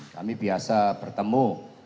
kami biasa bertemu